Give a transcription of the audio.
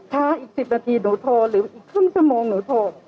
อีก๑๐นาทีหนูโทรหรืออีกครึ่งชั่วโมงหนูโทร